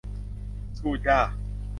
สู้จ้า